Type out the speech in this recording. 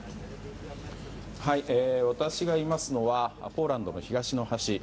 私がいますのはポーランドの東の端